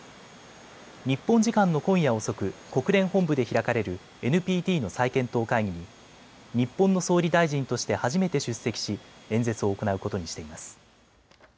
日本時間の今夜遅く国連本部で開かれるＮＰＴの再検討会議に日本の総理大臣として初めて出席し演説を行うことにしています。